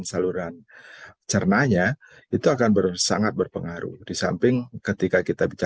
jadi kita harus memahami seperti itu bahwa disitu ada manusia yang mengonsumsi sampah begitu ya yang ada di tpa